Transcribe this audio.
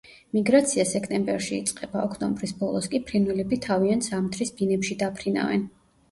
მიგრაცია სექტემბერში იწყება, ოქტომბრის ბოლოს კი ფრინველები თავიანთ ზამთრის ბინებში დაფრინავენ.